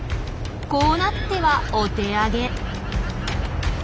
こうなってはお手上げ。